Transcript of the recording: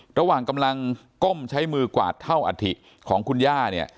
ระหว่างกำลังก้มใช้มือกวาดเท่าอัฐิของคุณย่าเนี่ย